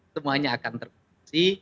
semuanya akan terkursi